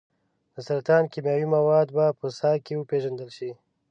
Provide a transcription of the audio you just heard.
د سرطان کیمیاوي مواد به په ساه کې وپیژندل شي.